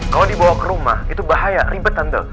kalo dibawa ke rumah itu bahaya ribet tante